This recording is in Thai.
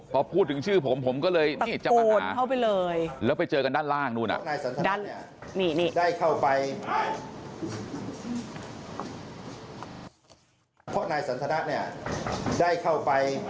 พอพูดถึงชื่อผมผมก็ไปฝังปะหนา